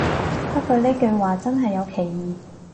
不過呢句話真係有歧義